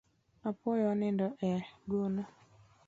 Apuoyo onindo e gono.